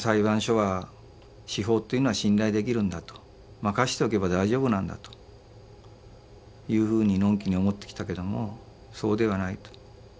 任しておけば大丈夫なんだというふうにのんきに思ってきたけどもそうではないと。